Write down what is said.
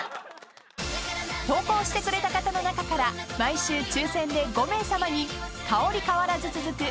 ［投稿してくれた方の中から毎週抽選で５名さまに香り変わらず続く